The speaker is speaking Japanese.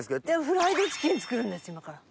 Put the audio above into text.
フライドチキン作るんです今から。